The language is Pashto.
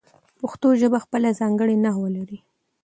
پښتو ژبه خپله ځانګړې نحو لري.